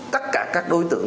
tất cả các đối tượng